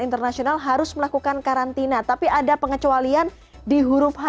internasional harus melakukan karantina tapi ada pengecualian di huruf h